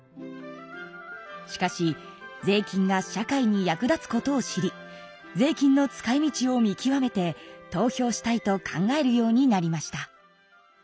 しかし税金が社会に役立つことを知り税金の使いみちを見極めて投票したいと考えるようになりました。